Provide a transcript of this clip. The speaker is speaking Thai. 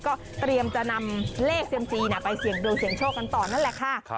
ก็เตรียมจะนำเลขเซียมซีไปเสี่ยงดวงเสี่ยงโชคกันต่อนั่นแหละค่ะ